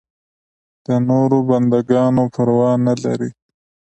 د نورو بنده ګانو پروا نه لري.